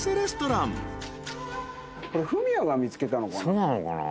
そうなのかな？